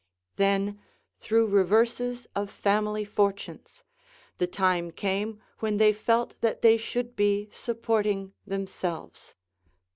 Then, through reverses of family fortunes, the time came when they felt that they should be supporting themselves.